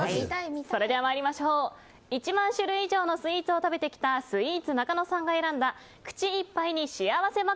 それでは、１万種類以上のスイーツを食べてきたスイーツなかのさんが選んだ口いっぱいに幸せＭＡＸ！